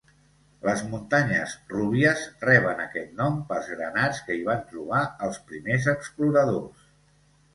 Les muntanyes 'Rubies' reben aquest nom pels granats que hi van trobar els primers exploradors.